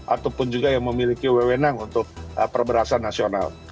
ataupun juga yang memiliki wewenang untuk perberasan nasional